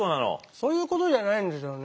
そういうことじゃないんですよね。